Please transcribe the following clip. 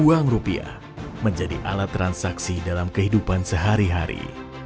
uang rupiah menjadi alat transaksi dalam kehidupan sehari hari